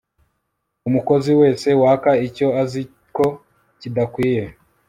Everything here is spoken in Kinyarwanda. umukozi wese waka icyo azi ko kidakwiye